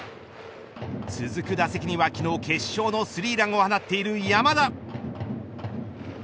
続く打席には、昨日決勝のスリーランを放っている山田。